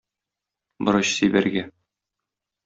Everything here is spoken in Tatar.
Борыч сибәргә.